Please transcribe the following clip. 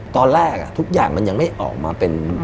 ตอนแรกทุกอย่างมันยังไม่ออกมาเป็น